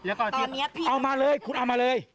เอามาเลยคุณเอามาเลย